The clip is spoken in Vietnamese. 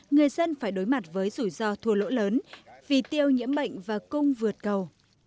người dân phải đối mặt với rủi ro thua lỗ lớn vì tiêu nhiễm bệnh và cung vượt cầu